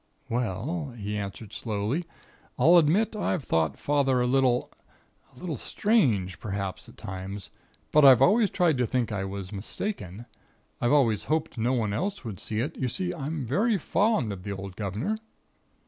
"'Well,' he answered slowly, 'I'll admit I've thought Father a little a little strange, perhaps, at times. But I've always tried to think I was mistaken. I've always hoped no one else would see it. You see, I'm very fond of the old guvnor.'